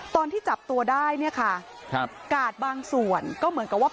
ตอนที่จับตัวได้เนี่ยค่ะครับกาดบางส่วนก็เหมือนกับว่า